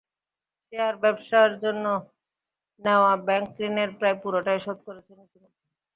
Share ব্যবসার জন্য নেওয়া ব্যাংক ঋণের প্রায় পুরোটাই শোধ করেছেন ইতিমধ্যে।